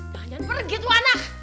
jangan pergi tuh anak